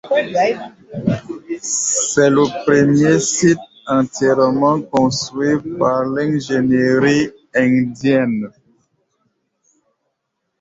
C'est le premier site entièrement construit par l'ingénierie indienne.